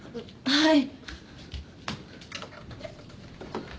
はい。